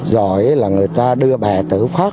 rồi là người ta đưa bẻ tử phát